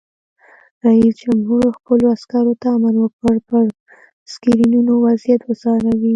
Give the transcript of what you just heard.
رئیس جمهور خپلو عسکرو ته امر وکړ؛ پر سکرینونو وضعیت وڅارئ!